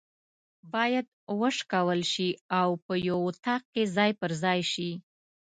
بايد وشکول سي او په یو اطاق کي ځای پر ځای سي